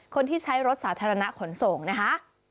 คนที่ใช้รถสาธารณะขนส่งนะคะ